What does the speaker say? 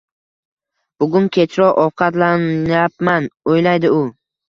Bugun kechroq ovqatlanyapman, o`yladi u